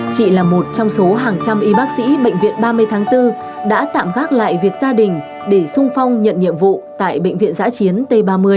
chị là một trong số hàng trăm y bác sĩ bệnh viện ba mươi tháng bốn đã tạm gác lại việc gia đình để sung phong nhận nhiệm vụ tại bệnh viện giã chiến t ba mươi